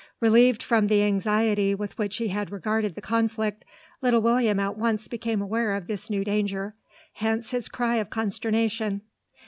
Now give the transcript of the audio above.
Relieved from the anxiety with which he had regarded the conflict, little William at once became aware of this new danger, hence his cry of consternation.